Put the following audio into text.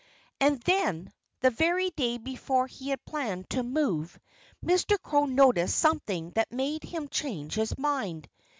And then, the very day before he had planned to move, Mr. Crow noticed something that made him change his mind.